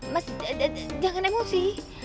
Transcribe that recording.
mas jangan emosi